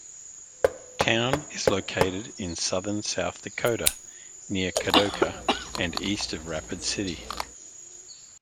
Town is located in southern South Dakota near Kadoka and east of Rapid City.